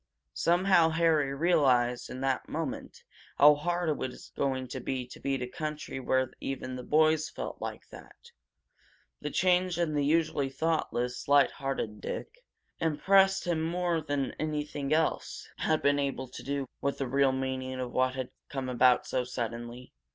Somehow Harry realized in that moment how hard it was going to be to beat a country where even the boys felt like that! The change in the usually thoughtless, light hearted Dick impressed him more than anything else had been able to do with the real meaning of what had come about so suddenly.